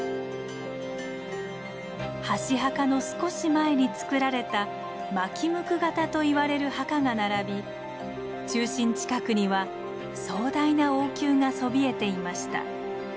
箸墓の少し前につくられた「纒向型」と言われる墓が並び中心近くには壮大な王宮がそびえていました。